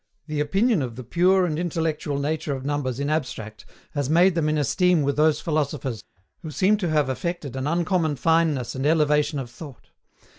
The opinion of the pure and intellectual nature of numbers in abstract has made them in esteem with those philosophers who seem to have affected an uncommon fineness and elevation of thought.